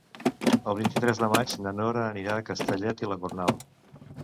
El vint-i-tres de maig na Nora anirà a Castellet i la Gornal.